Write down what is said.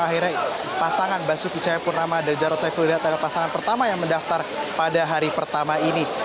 akhirnya pasangan basuki cahayapurnama dan jarod saiful hidayat adalah pasangan pertama yang mendaftar pada hari pertama ini